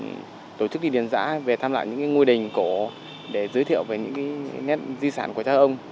anh bình và các cộng sự đã thường tổ chức đi điền giã về tham lại những ngôi đình cổ để giới thiệu về những nét di sản của cháu ông